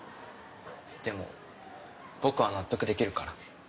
でも僕は納得できるから。